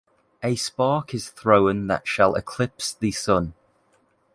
A spark is thrown that shall eclipse the sun.